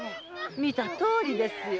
見たとおりですよ。